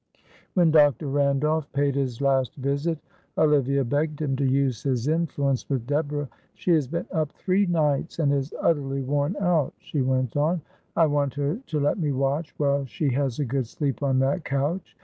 When Dr. Randolph paid his last visit Olivia begged him to use his influence with Deborah. "She has been up three nights and is utterly worn out," she went on. "I want her to let me watch while she has a good sleep on that couch.